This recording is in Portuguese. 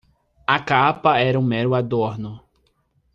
A capa era um mero adorno.